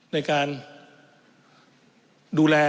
ในการดูแล